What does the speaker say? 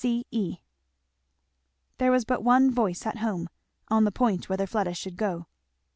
"C.E." There was but one voice at home on the point whether Fleda should go.